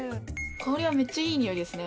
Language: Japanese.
香りはめっちゃいいにおいですね。